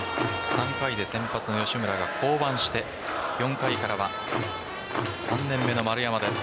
３回で先発の吉村が降板して４回からは３年目の丸山です。